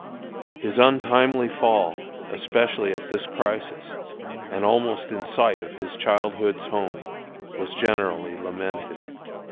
His untimely fall, especially at this crisis and almost in sight of his childhood's home, was generally lamented.